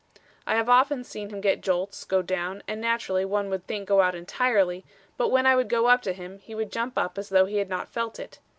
I have often seen him get jolts, go down, and naturally one would think go out entirely, but when I would go up to him, he would jump up as though he had not felt it.